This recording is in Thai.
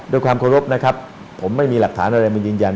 ด้วยความเคารพนะครับผมไม่มีหลักฐานอะไรมายืนยัน